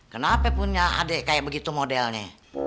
kenapa punya adik kayak begitu modelnya